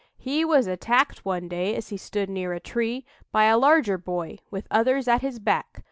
He was attacked one day as he stood near a tree by a larger boy with others at his back.